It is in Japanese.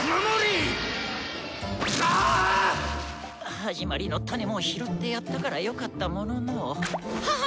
「始まりのタネ」も拾ってやったからよかったものの。ははー！